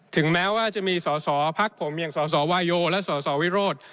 ถึงแม้ว่าจะมีสอสอพักผมอย่างสสวาโยและสสวิโรธ